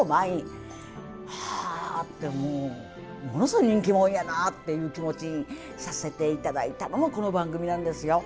あってもうものすごい人気者やなっていう気持ちにさせて頂いたのもこの番組なんですよ。